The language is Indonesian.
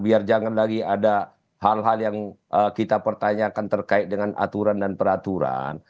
biar jangan lagi ada hal hal yang kita pertanyakan terkait dengan aturan dan peraturan